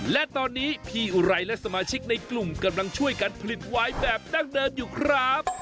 และตอนนี้พี่อุไรและสมาชิกในกลุ่มกำลังช่วยกันผลิตวายแบบดั้งเดิมอยู่ครับ